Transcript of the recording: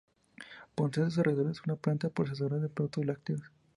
Posee en sus alrededores una planta procesadora de productos lácteos.